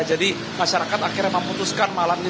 jadi masyarakat akhirnya memutuskan malam ini